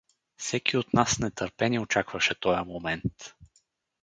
Секи от нас с нетърпение очакваше тоя момент.